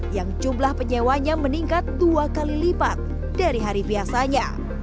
yang jumlah penyewanya meningkat dua kali lipat dari hari biasanya